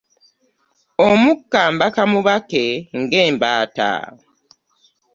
Omukka mbaka mubake nga mbaata.